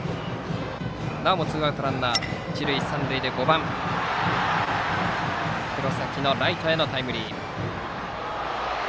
なおもツーアウトランナー、一塁三塁で５番、黒崎のライトへのタイムリー。